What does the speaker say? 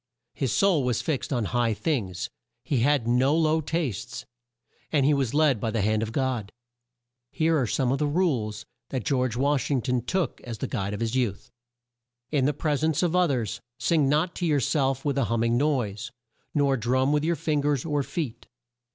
His soul was fixed on high things; he had; no low tastes; and he was led by the hand of God. Here are some of the rules that George Wash ing ton took as the guide of his youth. "In the pres ence of o thers sing not to your self with a hum ming noise, nor drum with your fin gers or feet.